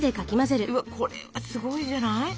これはすごいじゃない？